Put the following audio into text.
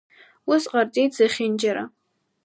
Ус ҟарҵеит зехьынџьара.